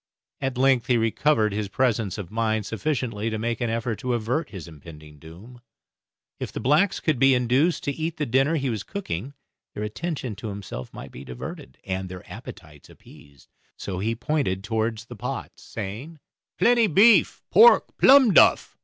At length he recovered his presence of mind sufficiently to make an effort to avert his impending doom. If the blacks could be induced to eat the dinner he was cooking their attention to himself might be diverted, and their appetites appeased, so he pointed towards the pots, saying, "Plenty beef, pork, plum duff."